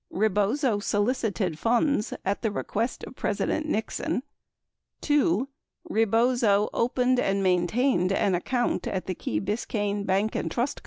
Rebozo solicited funds at the request of President Nixon. 53 2. Rebozo opened and maintained an account at the Key Bis cayne Bank & Trust Co.